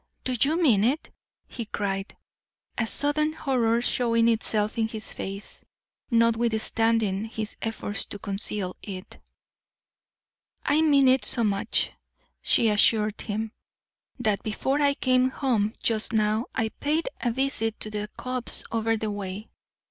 "Do you mean it?" he cried, a sudden horror showing itself in his face, notwithstanding his efforts to conceal it. "I mean it so much," she assured him, "that before I came home just now I paid a visit to the copse over the way.